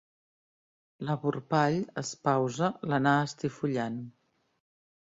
La vorpall espausa l'anà estifollant!